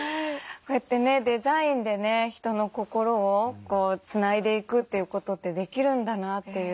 こうやってねデザインでね人の心をつないでいくということってできるんだなっていう。